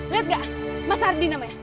lihat gak mas ardi namanya